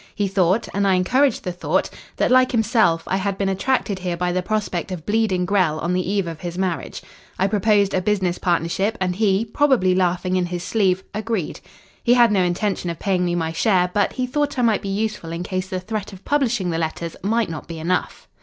He thought and I encouraged the thought that, like himself, I had been attracted here by the prospect of bleeding Grell on the eve of his marriage. I proposed a business partnership, and he, probably laughing in his sleeve, agreed. He had no intention of paying me my share, but he thought I might be useful in case the threat of publishing the letters might not be enough.